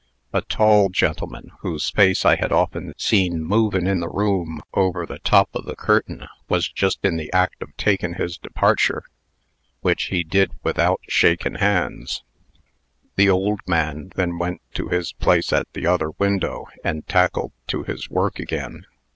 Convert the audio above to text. A tall gentleman, whose face I had often seen movin' in the room over the top o' the curtain, was just in the act of takin' his departure, which he did without shakin' hands. The old man then went to his place at the other window, and tackled to his work again.